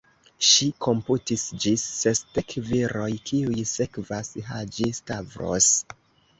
Ŝi komputis ĝis sesdek viroj, kiuj sekvas Haĝi-Stavros.